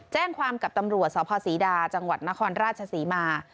แจ้งความกับตำรวจสภศรีดาจังหวัดนครราชศรีมา